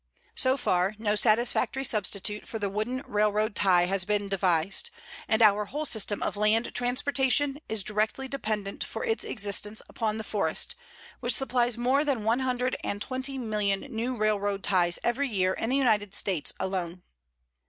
So far, no satisfactory substitute for the wooden railroad tie has been devised; and our whole system of land transportation is directly dependent for its existence upon the forest, which supplies more than one hundred and twenty million new railroad ties every year in the United States alone.